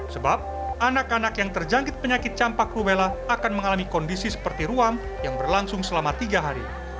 sebab anak anak yang terjangkit penyakit campak rubella akan mengalami kondisi seperti ruam yang berlangsung selama tiga hari